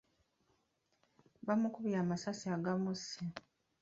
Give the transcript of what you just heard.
Bamukubye amasasi agamusse.